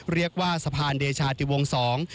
เรียกว่าสะพานเดชาติวงสอง